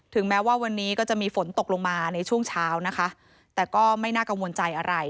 แม้ว่าวันนี้ก็จะมีฝนตกลงมาในช่วงเช้านะคะแต่ก็ไม่น่ากังวลใจอะไร